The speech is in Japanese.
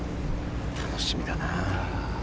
楽しみだな。